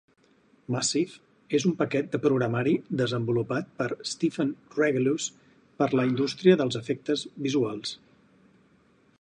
"Massive" és un paquet de programari desenvolupat per Stephen Regelous per a la indústria dels efectes visuals.